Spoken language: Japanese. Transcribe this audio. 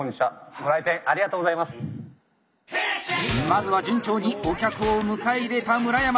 まずは順調にお客を迎え入れた村山。